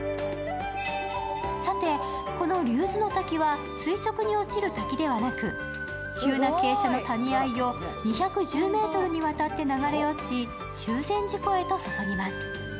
さて、この竜頭ノ滝は垂直に落ちる滝ではなく、急な傾斜の谷間を２１０ｍにわたって流れ落ち中禅寺湖へと注ぎます。